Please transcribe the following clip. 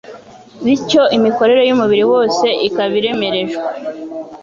Bityo imikorere y’umubiri wose ikaba iremerejwe.